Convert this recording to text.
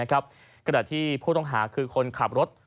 กระดาษที่ผู้ต้องหาคือคนขับรถ